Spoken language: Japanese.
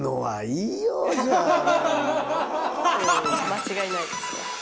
間違いないですね。